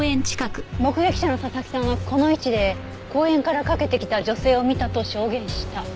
目撃者の佐々木さんはこの位置で公園から駆けてきた女性を見たと証言した。